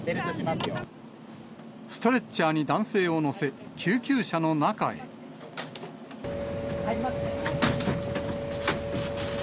ストレッチャーに男性を乗せ、入りますね。